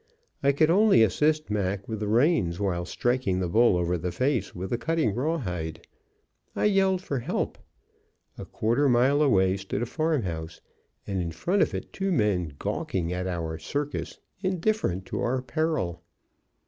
I could only assist Mac with the reins while striking the bull over the face with the cutting rawhide. I yelled for help. A quarter mile away stood a farm house, and in front of it two men gawking at our "circus," indifferent to our peril.